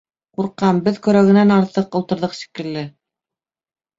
Ҡурҡам, беҙ көрәгенән артыҡ ултырҙыҡ, шикелле